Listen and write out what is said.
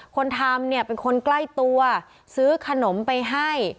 คนทำเนี่ยเป็นคนใกล้ตัวซื้อขนมไปให้